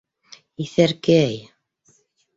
Иҫәркәй!